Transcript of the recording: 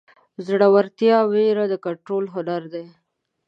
زړهورتیا د وېرې د کنټرول هنر دی.